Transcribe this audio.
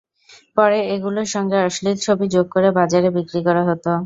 পরে এগুলোর সঙ্গে অশ্লীল ছবি যোগ করে বাজারে বিক্রি করা হতো।